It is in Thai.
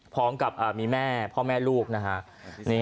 พร้อมกับมีแม่พ่อแม่ลูกนะฮะ